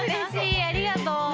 ありがとう。